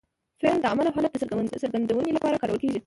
فعل د عمل او حالت د څرګندوني له پاره کارول کېږي.